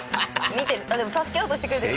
でも助けようとしてくれてる。